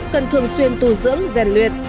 cần thường xuyên tù dưỡng rèn luyện